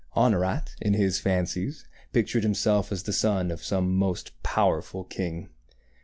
Honorat, in his fancies, pictured himself as the son of some most powerful king.